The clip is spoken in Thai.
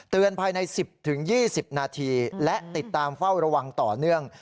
ภายใน๑๐๒๐นาทีและติดตามเฝ้าระวังต่อเนื่อง